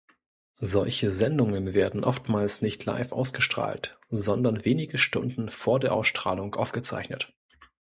Solche Sendungen werden oftmals nicht live ausgestrahlt, sondern wenige Stunden vor der Ausstrahlung aufgezeichnet.